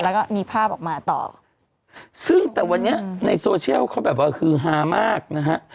แล้วก็มีภาพออกมาต่อซึ่งแต่วันนี้ในโซเชียลเขาแบบว่าคือฮามากนะฮะ